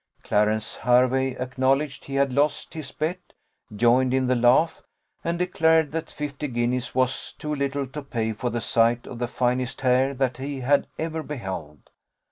Clarence Hervey acknowledged he had lost his bet, joined in the laugh, and declared that fifty guineas was too little to pay for the sight of the finest hair that he had ever beheld.